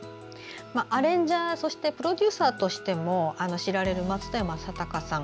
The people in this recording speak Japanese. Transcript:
アレンジャープロデューサーとしても知られる松任谷正隆さん。